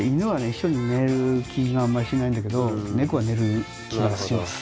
一緒に寝れる気があんまりしないんだけど猫は寝れる気がします。